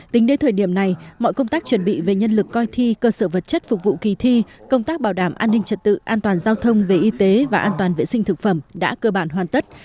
tính đến thời điểm này mọi công tác chuẩn bị về nhân lực coi thi cơ sở vật chất phục vụ kỳ thi công tác bảo đảm an ninh trật tự an toàn giao thông về y tế và an toàn vệ sinh thực phẩm đã cơ bản hoàn tất